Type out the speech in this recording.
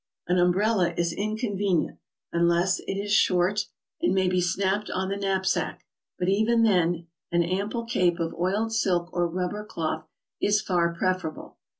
An umbrella is incon venient, unless it is short and may be strapped on the knap sack, but even then, an ample cape of oiled silk or rubber cloth is far preferable.